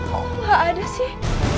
kok gak ada sih